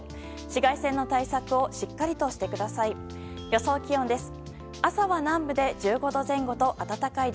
紫外線の対策をしっかりとしてください。